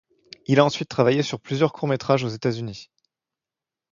Il a ensuite travaillé sur plusieurs courts métrages aux États-unis.